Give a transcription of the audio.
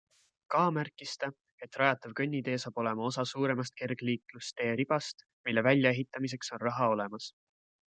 Ka märkis ta, et rajatav kõnnitee saab olema osa suuremast kergliiklustee ribast, mille väljaehitamiseks on raha olemas.